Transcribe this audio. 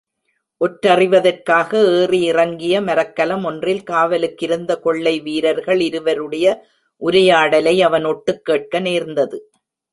ஒற்றறிவதற்காக ஏறி இறங்கிய மரக்கலம் ஒன்றில் காவலுக்கிருந்த கொள்ளை வீரர்கள் இருவருடைய உரையாடலை அவன் ஒட்டுக் கேட்க நேர்ந்தது.